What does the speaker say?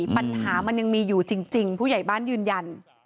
ปัญหามันยังมีอยู่จริงผู้ใหญ่บ้านยืนยัน